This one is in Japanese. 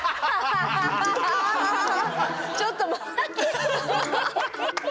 ちょっと待って！